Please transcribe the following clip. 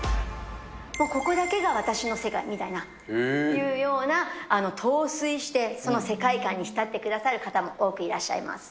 ここだけが私の世界みたいな、というような、陶酔して、その世界観に浸ってくださる方も多くいらっしゃいます。